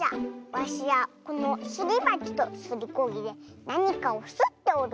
わしはこのすりばちとすりこぎでなにかをすっておる。